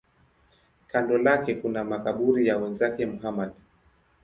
Kando lake kuna makaburi ya wenzake Muhammad.